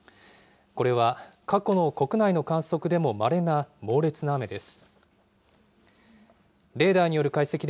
これは過去の国内の観測でもまれな、猛烈な雨です。